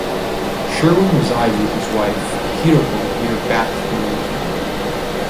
Sherwin resides with his wife, Hiroko, near Bath, United Kingdom.